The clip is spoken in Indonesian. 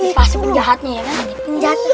ini pasti penjahatnya ya kan ini ini mau ke tanjakan